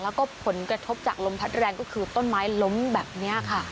แล้วก็ผลกระทบจากลมพัดแรงก็คือต้นไม้ล้มแบบนี้ค่ะ